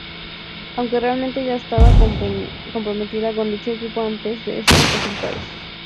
Aunque realmente ya estaba comprometida con dicho equipo antes de esos resultados.